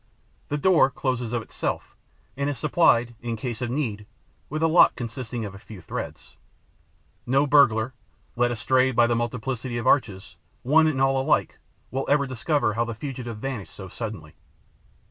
The door closes of itself and is supplied, in case of need, with a lock consisting of a few threads. No burglar, led astray by the multiplicity of arches, one and all alike, will ever discover how the fugitive vanished so suddenly.